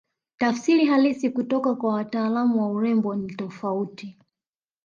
Tafsiri halisi kutoka kwa wataalamu wa urembo ni tofauti